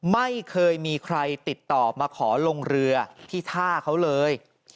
ไม่เคยมีใครติดต่อมาขอลงเรือที่ท่าเขาเลย